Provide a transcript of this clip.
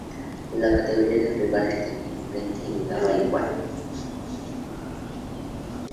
La categoría del rival que tenía enfrente le daba igual.